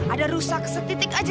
ada rusak setitik aja